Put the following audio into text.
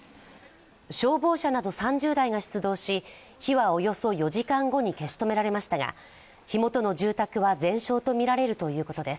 消防車など３０台が出動し火はおよそ４時間後に消し止められましたが火元の住宅は全焼とみられるということです。